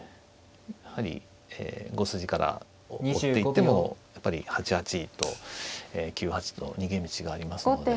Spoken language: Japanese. やはり５筋から追っていってもやっぱり８八と９八と逃げ道がありますので。